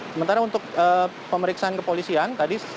sementara untuk pemeriksaan kepolisian